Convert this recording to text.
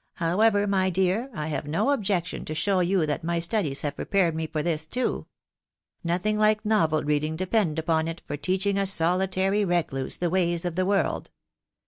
.•• However, my dear, I have no objection to show you that my studies have prepared me for this too ...• Nothing like novel reading, de pend upon it, for teaching a solitary recluse the ways of the world.